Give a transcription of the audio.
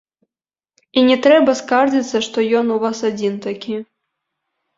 І не трэба скардзіцца, што ён у вас адзін такі.